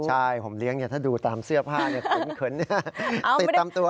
ใช่ผมเลี้ยงถ้าดูตามเสื้อผ้าเขินติดตามตัว